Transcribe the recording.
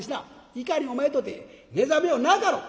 いかにお前とて目覚めようなかろう」。